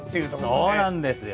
そうなんですよ。